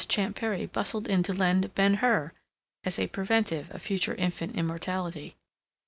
Champ Perry bustled in to lend "Ben Hur," as a preventive of future infant immorality.